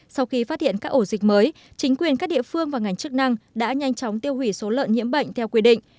sau khi phát hiện các ổ dịch mới chính quyền các địa phương và ngành chức năng đã nhanh chóng tiêu hủy số lợn nhiễm bệnh theo quy định